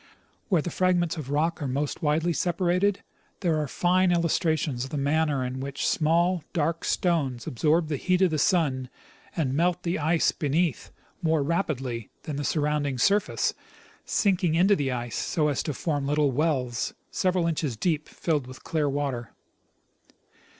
Where the fragments of rock are most widely separated, there are fine illustrations of the manner in which small, dark stones absorb the heat of the sun and melt the ice beneath more rapidly than the surrounding surface, sinking into the ice so as to form little wells, several inches deep, filled with clear water.